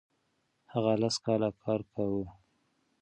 هغه لس کاله کار کاوه.